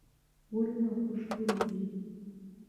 ګلونه خوشبوي دي.